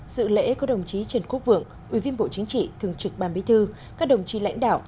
dự lễ của đồng chí trần quốc vượng ubnd thường trực ban bí thư các đồng chí lãnh đạo